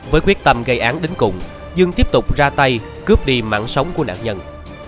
với quyết tâm gây án đến cùng dương tiếp tục ra tay cướp đi mạng sống của nạn nhân